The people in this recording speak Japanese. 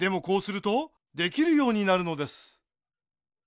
こうするとできるようになるのです。